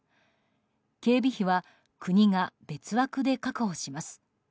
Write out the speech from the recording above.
警備費は国が別枠で確保します。